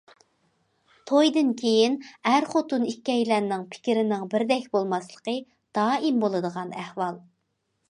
تويدىن كېيىن ئەر- خوتۇن ئىككىيلەننىڭ پىكرىنىڭ بىردەك بولماسلىقى دائىم بولىدىغان ئەھۋال.